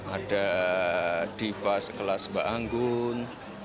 ada diva sekelas mbak anggun